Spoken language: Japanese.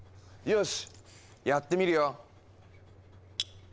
よしやってみるよ！